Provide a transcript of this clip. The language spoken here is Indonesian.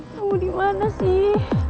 kamu dimana sih